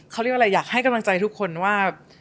เขาเรียกว่าอะไรอยากให้กำลังใจทุกคนว่า